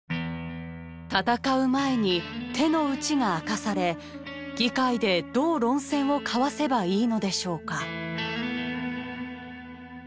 戦う前に手の内が明かされ議会でどう論戦を交わせばいいのでしょうか。